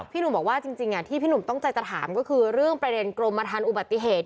หนุ่มบอกว่าจริงที่พี่หนุ่มตั้งใจจะถามก็คือเรื่องประเด็นกรมฐานอุบัติเหตุ